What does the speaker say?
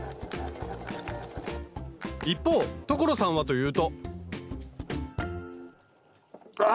一方所さんはというとあ！